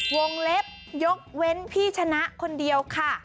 วงเล็บยกเว้นพี่ชนะคนเดียวค่ะ